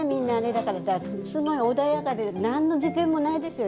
だからすごい穏やかで何の事件もないですよ。